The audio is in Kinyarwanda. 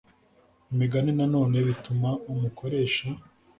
Imigani nanone bituma umukoresha